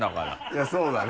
いやそうだね。